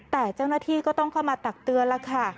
แต่เจ้าหน้าที่ก็ต้องเข้ามาตักเตือนแล้วค่ะ